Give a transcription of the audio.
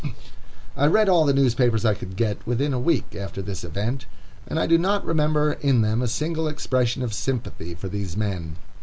I read all the newspapers I could get within a week after this event, and I do not remember in them a single expression of sympathy for these men.